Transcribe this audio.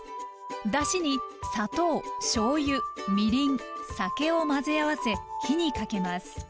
だしに砂糖しょうゆみりん酒を混ぜ合わせ火にかけます。